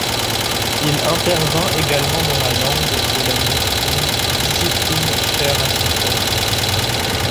Il intervint également dans la langue de la médecine, discipline chère à son cœur.